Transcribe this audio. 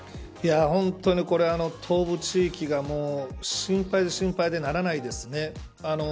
本当に東部地域が心配で心配でならないですね。